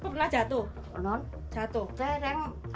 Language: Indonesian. karena takut jatuh